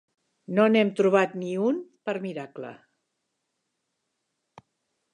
No n'hem trobat ni un per miracle.